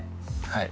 はい。